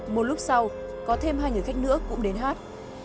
một lúc sau có thêm hai người khách nữa cũng đến hát